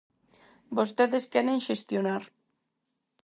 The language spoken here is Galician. Vostedes queren xestionar.